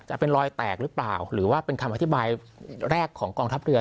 จะเป็นรอยแตกหรือเปล่าหรือว่าเป็นคำอธิบายแรกของกองทัพเรือ